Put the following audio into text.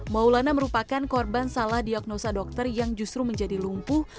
maulana merupakan korban salah diagnosa dokter yang justru menjadi lumpuh